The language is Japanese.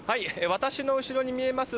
私の後ろに見えます